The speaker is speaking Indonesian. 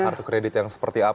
kartu kredit yang seperti apa